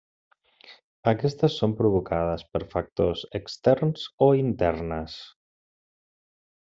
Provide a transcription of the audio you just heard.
Aquestes són provocades per factors externs o internes.